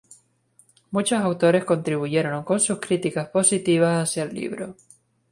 Muchos autores contribuyeron con sus críticas positivas hacia el libro.